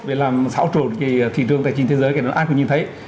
về làm xảo trộn thị trường tài chính thế giới ai cũng nhìn thấy